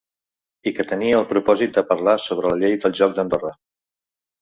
I que tenia el propòsit de parlar sobre la llei del joc d’Andorra.